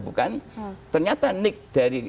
bukan ternyata nick dari